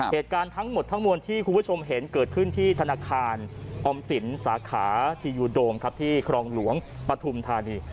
เหตุการณ์ทั้งหมดทั้งมวลที่คุณผู้ชมเห็นเกิดขึ้นที่ธนาคารออมสินสาขาทียูโดมครับที่ครองหลวงปฐุมธานี